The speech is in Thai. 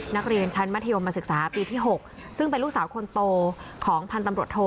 นักเรียนชั้นมัธยมศึกษาปีที่๖ซึ่งเป็นลูกสาวคนโตของพันธ์ตำรวจโท